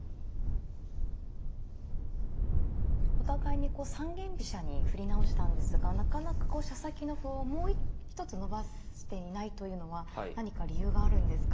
お互いに三間飛車に振り直したんですがなかなか飛車先の歩をもうひとつ伸ばしていないというのは何か理由があるんですか。